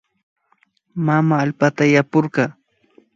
Mama allpata yapurka